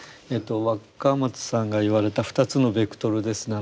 若松さんが言われた２つのベクトルですね。